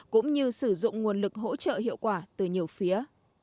cũng như sử dụng nguồn lực hỗ trợ hiệu quả từ nhiều phía